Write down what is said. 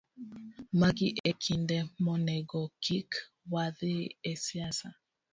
Magi e kinde monego kik wadhi e siasa